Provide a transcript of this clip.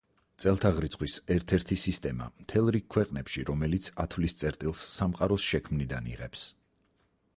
წელთაღრიცხვის ერთ-ერთი სისტემა მთელ რიგ ქვეყნებში, რომელიც ათვლის წერტილს სამყაროს შექმნიდან იღებს.